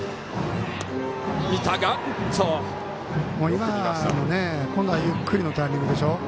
今の今度はゆっくりのタイミングでしょ。